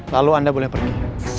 lalu anda boleh pergi